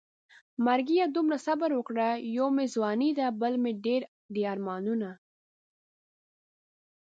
مرګيه دومره صبر وکړه يو مې ځواني ده بل مې ډېر دي ارمانونه